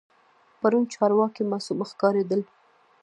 پرون چارواکي معصوم ښکارېدل.